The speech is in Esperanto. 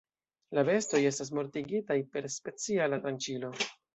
La bestoj estas mortigitaj per speciala tranĉilo.